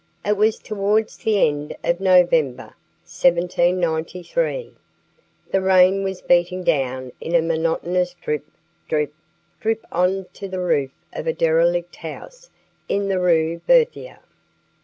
It was towards the end of November, 1793. The rain was beating down in a monotonous drip, drip, drip on to the roof of a derelict house in the Rue Berthier.